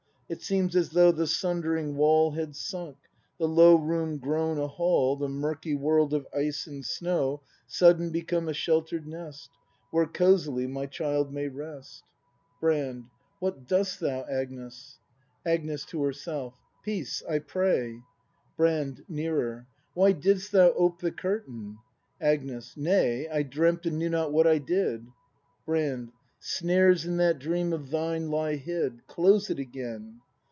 It seems as though the sundering wall Had sunk; the low room grown a hall. The murky world of ice and snow Sudden become a shelter'd nest, Where cosily my child may rest. ACT IV] BRAND 191 Brand. "What dost thou, Agnes ? Agnes. [To Iierself.] Peace, I pray! Brand. [Nearer.] Why didst thou ope the curtain ? Agnes. Nay, I dreamt, and knew not what I did ! Brand. Snares in that dream of thine lie hid; Close it again.